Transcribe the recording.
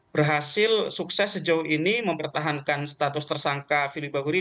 berhasil sukses sejauh ini mempertahankan status tersangka fili bahuri